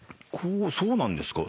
そうなんですか。